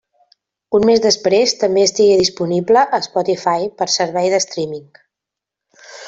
Un mes després també estigué disponible a Spotify per servei de streaming.